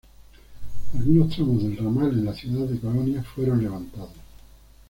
Algunos tramos del ramal en la ciudad de Colonia fueron levantados.